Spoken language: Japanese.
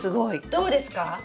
どうですか？